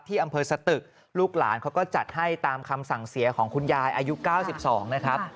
อำเภอสตึกลูกหลานเขาก็จัดให้ตามคำสั่งเสียของคุณยายอายุ๙๒นะครับ